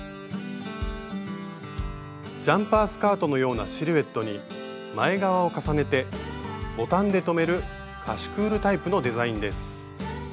ジャンパースカートのようなシルエットに前側を重ねてボタンで留めるカシュクールタイプのデザインです。